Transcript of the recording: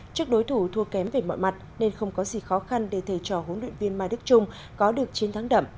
trước đối thủ thua kém về mọi mặt nên không có gì khó khăn để thể trò hỗn luyện viên ma đức trung có được chiến thắng đậm